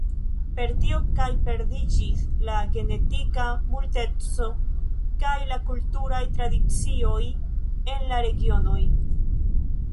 Per tio kaj perdiĝis la genetika multeco kaj la kulturaj tradicioj en la regionoj.